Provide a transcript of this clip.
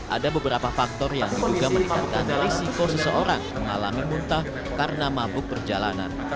ada beberapa faktor yang diduga meningkatkan risiko seseorang mengalami muntah karena mabuk perjalanan